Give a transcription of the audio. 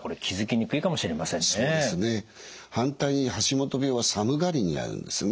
反対に橋本病は寒がりになるんですね。